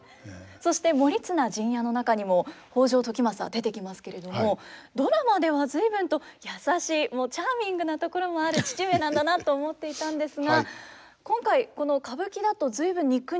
そして「盛綱陣屋」の中にも北条時政出てきますけれどもドラマでは随分と優しいチャーミングなところもある父上なんだなと思っていたんですが今回この歌舞伎だと随分憎々しい感じですね。